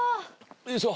よいしょ。